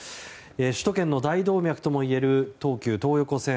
首都圏の大動脈ともいえる東急東横線。